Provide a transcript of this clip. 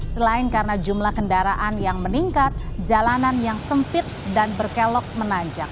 selain karena jumlah kendaraan yang meningkat jalanan yang sempit dan berkelok menanjak